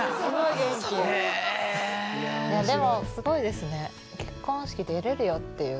いやでもすごいですね。